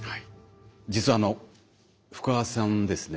実はあの福和さんですね